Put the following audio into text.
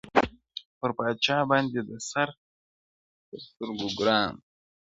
پر پاچا باندي د سر تر سترگو گران وه.!